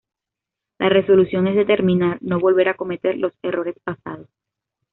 La resolución es determinar no volver a cometer los errores pasados.